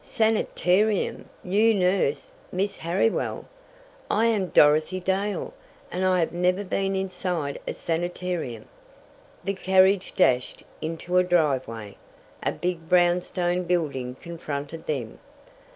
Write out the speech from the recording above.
"Sanitarium! New nurse! Miss Harriwell! I am Dorothy Dale, and I have never been inside a sanitarium!" The carriage dashed into a driveway! A big brownstone building confronted them.